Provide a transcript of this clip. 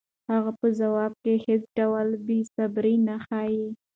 هغه په ځواب کې هېڅ ډول بېصبري نه ښيي.